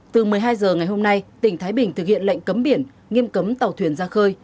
từ một mươi hai h ngày hôm nay tỉnh thái bình thực hiện lệnh cấm biển nghiêm cấm tàu thuyền ra khơi